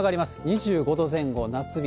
２５度前後、夏日。